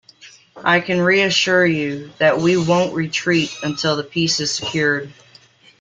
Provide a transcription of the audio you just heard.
I can reassure you, that we won't retreat until the peace is secured.